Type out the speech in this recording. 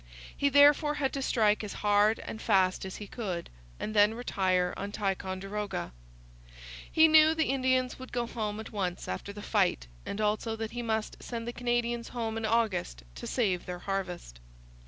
He therefore had to strike as hard and fast as he could, and then retire on Ticonderoga. He knew the Indians would go home at once after the fight and also that he must send the Canadians home in August to save their harvest.